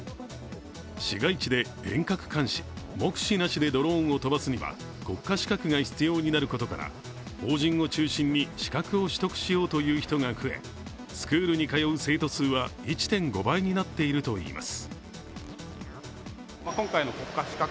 市街地で遠隔監視目視なしでドローンを飛ばすには国家資格が必要になることから、法人を中心に資格を取得しようという人が増えスクールに通う生徒数は１．５倍になっているといいます。